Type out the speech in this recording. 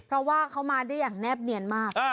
เพราะว่าเขามาได้อย่างแนบเนียนมาก